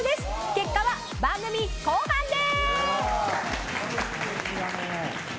結果は番組後半で！